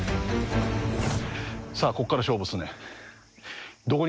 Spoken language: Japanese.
さあここから勝負っすね。